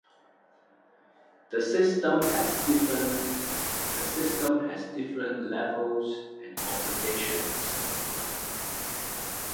The system has different levels and obligations.